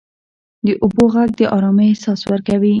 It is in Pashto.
• د اوبو ږغ د آرامۍ احساس ورکوي.